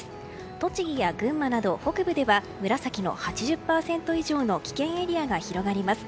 栃木や群馬など北部では紫の８０％以上の危険エリアが広がります。